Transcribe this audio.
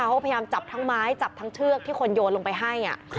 เขาก็พยายามจับทั้งไม้จับทั้งเชือกที่คนโยนลงไปให้